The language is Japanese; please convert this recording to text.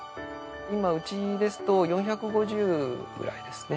今うちですと４５０くらいですね。